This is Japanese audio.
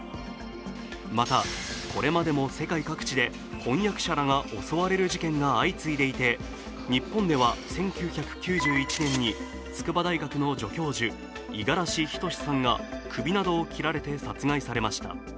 また、これまでも世界各地で翻訳者らが襲われる事件が相次いでいて日本では１９９１年に、筑波大学の助教授、五十嵐一さんが首などを切られて殺害されました。